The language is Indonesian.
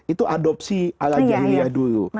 itu adopsi ala jahiliyah dulu